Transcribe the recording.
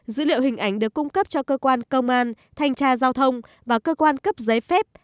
dữ liệu hình ảnh được cung cấp cho cơ quan công an thanh tra giao thông và cơ quan cấp giấy phép